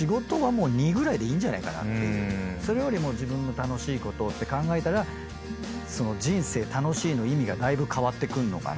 それよりも自分の楽しいことって考えたら人生楽しいの意味がだいぶ変わってくんのかな。